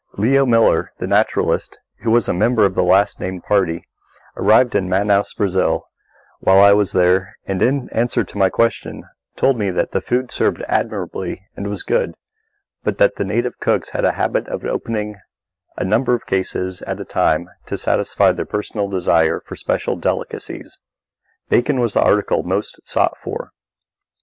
Leo Miller, the naturalist, who was a member of the last named party, arrived in Manaos, Brazil, while I was there and, in answer to my question, told me that the food served admirably and was good, but that the native cooks had a habit of opening a number of cases at a time to satisfy their personal desire for special delicacies. Bacon was the article most sought for.